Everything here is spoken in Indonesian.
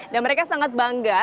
dan mereka sangat bangga